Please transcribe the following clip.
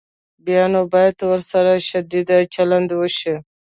بیا نو باید ورسره شدید چلند وشي.